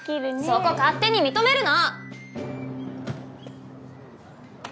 そこ勝手に認めるな！